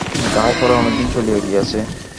তাহার পরে অনেকদিন চলিয়া গিয়াছে।